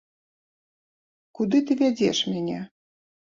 Куды ты вядзеш мяне?